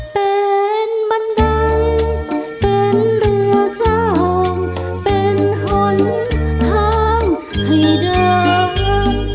เป็นบันไดเป็นเรือเจ้าเป็นหนทางให้เดิน